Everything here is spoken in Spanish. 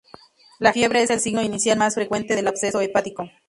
La fiebre es el signo inicial más frecuente del absceso hepático.